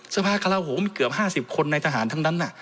สภากราโหมเกือบ๕๐คนในทหารทั้งนั้น